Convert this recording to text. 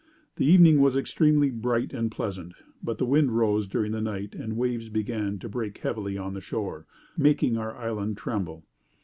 The evening was extremely bright and pleasant; but the wind rose during the night, and the waves began to break heavily on the shore, making our island tremble.